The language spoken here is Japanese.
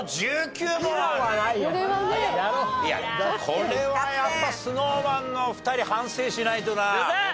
これはやっぱＳｎｏｗＭａｎのお二人反省しないとな。